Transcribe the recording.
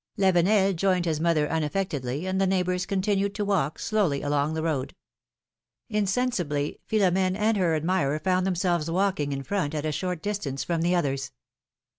Lav enel joined his mother unaffectedly, and the neighbors continued to walk slowly along the road. Insensibly, Philom^ne and her admirer found themselves walking in front, at a short distance from the others.